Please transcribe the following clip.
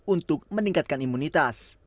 untuk meningkatkan imunitas